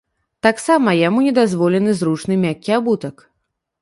Таксама яму не дазволены зручны мяккі абутак.